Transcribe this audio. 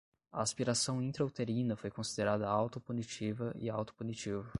A aspiração intrauterina foi considerada autopunitiva e autopunitivo